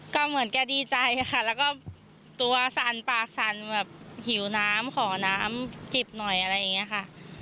ก็เหมือนแกดีใจค่ะแล้วก็ตัวสั่นปากสั่นแบบหิวน้ำขอน้ำจิบหน่อยอะไรอย่างนี้ค่ะ